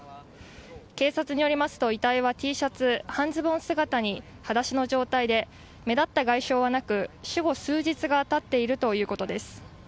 警察によりますと遺体はＴシャツ、半ズボン姿にはだしの状態で目立った外傷はなく死後数日がたっているということです。